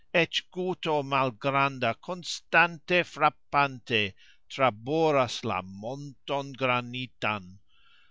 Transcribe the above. Ecx guto malgranda, konstante frapante, Traboras la monton granitan.